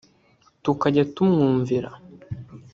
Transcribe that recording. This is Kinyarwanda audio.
tukajya tumwumvira